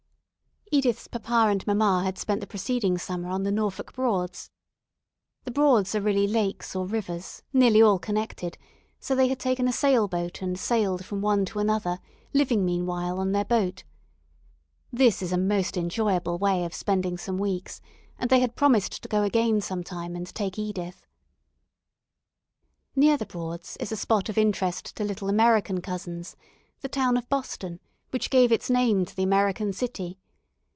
Edith's papa and mamma had spent the preceding summer on the "Norfolk Broads." The "Broads" are really lakes or rivers, nearly all connected, so they had taken a sailboat and sailed from one to another, living meanwhile on their boat. This is a most enjoyable way of spending some weeks, and they had promised to go again some time and take Edith. Near the "Broads" is a spot of interest to little American cousins, the town of Boston which gave its name to the American city.